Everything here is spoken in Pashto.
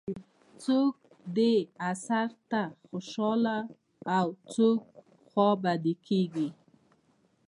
څوک دې اثر ته خوشاله او څوک خوابدي کېږي.